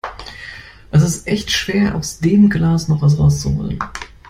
Es ist echt schwer, aus dem Glas noch was rauszuholen.